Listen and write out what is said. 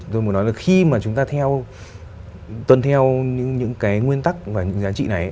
tôi muốn nói là khi mà chúng ta tuân theo những cái nguyên tắc và những giá trị này